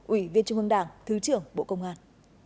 ủy viên trung ương đảng thứ trưởng bộ công an